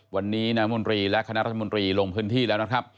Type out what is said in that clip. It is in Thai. วันนี้นามนตรีและคณะรัฐมนตรีลงพื้นที่แล้วนะครับ